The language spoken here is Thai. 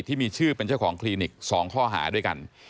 ที่มีชื่อเป็นเจ้าของคลินิก๒ข้อหาด้วยกัน